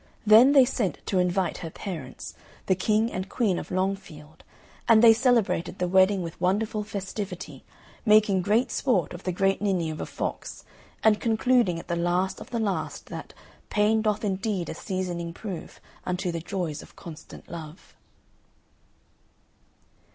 Then they sent to invite her parents, the King and Queen of Long Field; and they celebrated the wedding with wonderful festivity, making great sport of the great ninny of a fox, and concluding at the last of the last that "Pain doth indeed a seasoning prove Unto the joys of constant love."